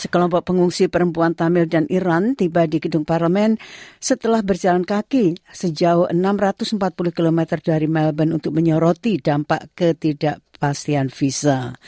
sekelompok pengungsi perempuan tamil dan iran tiba di gedung parlemen setelah berjalan kaki sejauh enam ratus empat puluh km dari melbourne untuk menyoroti dampak ketidakpastian visa